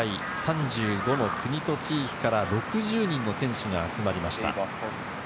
世界３５の国と地域から６０人の選手が集まりました。